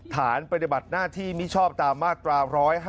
ฐานปฏิบัติหน้าที่มิชอบตามมาตรา๑๕